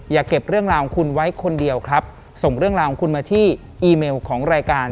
อย่าเก็บเรื่องราวของคุณไว้คนเดียวครับส่งเรื่องราวของคุณมาที่อีเมลของรายการ